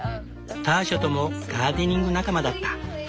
ターシャともガーデニング仲間だった。